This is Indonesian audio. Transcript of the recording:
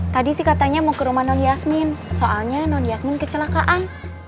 tadi sih katanya mau ke rumah non yasmin soalnya non yasmin kecelakaan